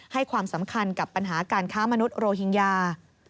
ให้ความสำคัญกับปัญหาการค้ามนุษยโรฮิงญา